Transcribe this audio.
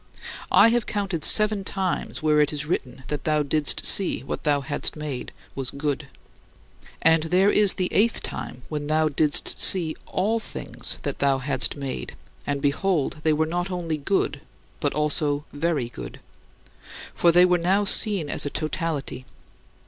I have counted seven times where it is written that thou didst see what thou hadst made was "good." And there is the eighth time when thou didst see all things that thou hadst made and, behold, they were not only good but also very good; for they were now seen as a totality.